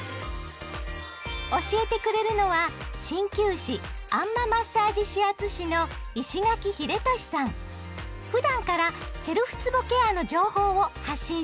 教えてくれるのは鍼灸師あん摩マッサージ指圧師のふだんからセルフつぼケアの情報を発信しています。